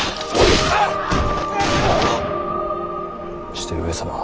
して上様は？